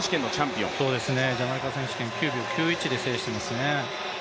ジャマイカ選手権９秒９１で制していますね。